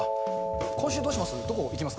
今週どうします？